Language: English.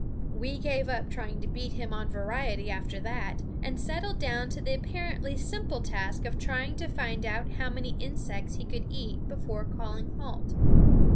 We gave up trying to beat him on variety after that, and settled down to the apparently simple task of trying to find out how many insects he could eat before calling halt.